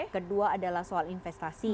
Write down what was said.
kedua adalah soal investasi